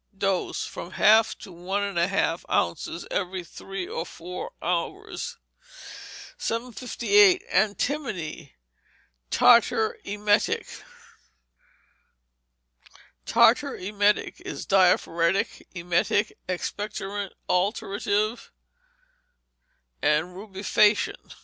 Dose, from a half to one and a half ounces every three or four hours. 758. Antimony. Tartar emetic Tartar emetic is diaphoretic, emetic, expectorant, alterative, and rubefacient.